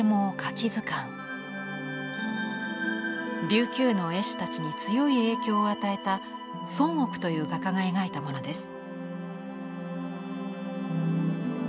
琉球の絵師たちに強い影響を与えた孫億という画家が描いたものです。